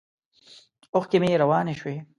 اوښکې مې روانې شوې.